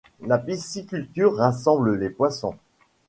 la pisciculture rassemble Les poissons